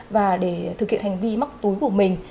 và để thực hiện hành vi móc túi của mình